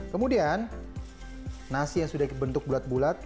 kemudian nasi yang sudah dibentuk bulat bulat